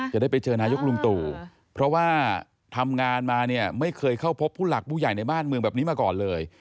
จะได้ไปเจอนายกลุงตู่เพราะว่าทำงานมาเนี่ยไม่เคยเข้าพบผู้หลักผู้ใหญ่ในบ้านเมืองแบบนี้มาก่อนเลย